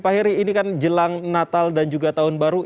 pak heri ini kan jelang natal dan juga tahun baru